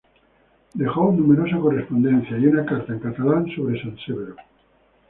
Dejó numerosa correspondencia y una carta en catalán sobre San Severo.